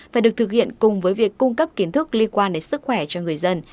phải được thực hiện cùng với việc cung cấp kiến thức liên quan đến sức khỏe cho người dân